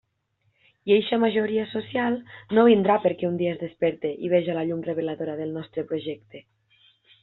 I eixa majoria social no vindrà perquè un dia es desperte i veja la llum reveladora del nostre projecte.